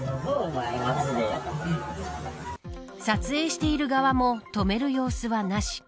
撮影している側も止める様子はなし。